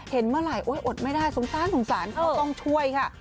เห็นเมื่อไหร่อดไม่ได้สงสารเขาต้องช่วยค่ะ